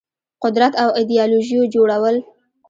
قدرت او ایدیالوژيو جوړول